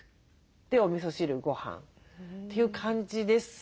でおみそ汁ごはんという感じですね。